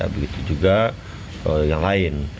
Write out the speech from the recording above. begitu juga yang lain